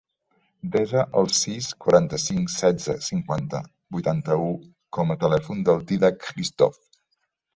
Desa el sis, quaranta-cinc, setze, cinquanta, vuitanta-u com a telèfon del Dídac Hristov.